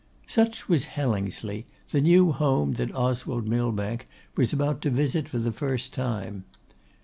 Such was Hellingsley, the new home that Oswald Millbank was about to visit for the first time.